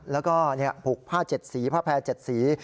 แล้วก็ผูกผ้า๗สีผ้าแพร่๗สี